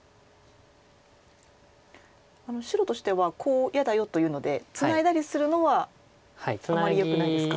白としてはコウ嫌だよというのでツナいだりするのはあまりよくないですか。